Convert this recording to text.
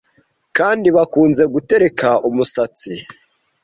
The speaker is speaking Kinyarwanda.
kandi bakunze gutereka umusatsi